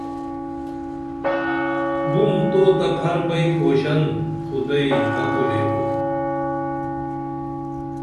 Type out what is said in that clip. بُم تو تہ پھربئی کھوشن خُدئی مہ کوریبو